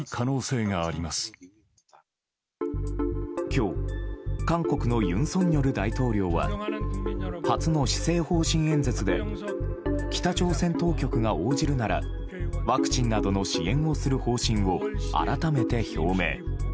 今日、韓国の尹錫悦大統領は初の施政方針演説で北朝鮮当局が応じるならワクチンなどの支援をする方針を改めて表明。